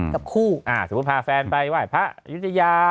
กับคู่สมมุติพาแฟนไปว่าพระอยุธยา